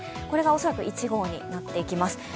これが恐らく１号になっていきます